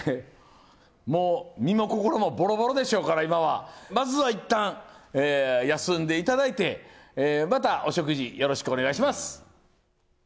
もう身も心もぼろぼろでしょうから、今は、まずはいったん、休んでいただいて、またお食事、よろしくお願いします。